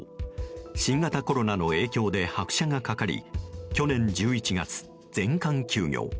新型コロナの影響で拍車がかかり去年１１月、全館休業。